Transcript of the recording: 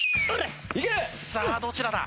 さあどちらだ？